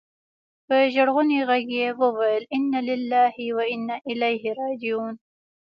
په ژړغوني ږغ يې وويل انا لله و انا اليه راجعون.